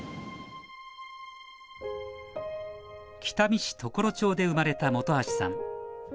北見市常呂町で生まれた本橋さん。